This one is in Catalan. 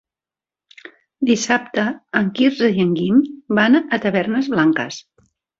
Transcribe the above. Dissabte en Quirze i en Guim van a Tavernes Blanques.